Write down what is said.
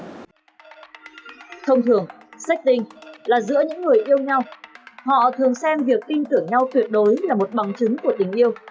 thông thường shecking là giữa những người yêu nhau họ thường xem việc tin tưởng nhau tuyệt đối là một bằng chứng của tình yêu